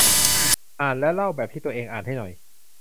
อ่านแล้วเล่าแบบที่ตัวเองอ่านให้หน่อย